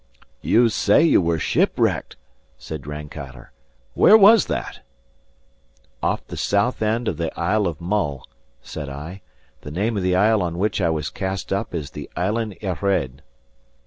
"You say you were shipwrecked," said Rankeillor; "where was that?" "Off the south end of the Isle of Mull," said I. "The name of the isle on which I was cast up is the Island Earraid."